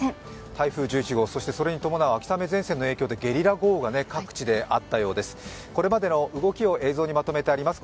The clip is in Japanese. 台風１１号、それに伴う秋雨前線の影響でゲリラ豪雨が各地であったようです。